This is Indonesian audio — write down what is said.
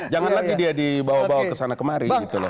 jangan lagi dia dibawa bawa ke sana kemari